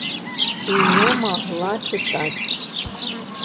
І не магла чытаць.